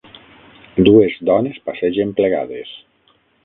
Dues dones passegen plegades.